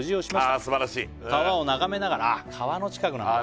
ああすばらしい「川を眺めながら」あっ川の近くなんだ